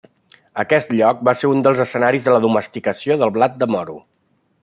Aquest lloc va ser un dels escenaris de la domesticació del blat de moro.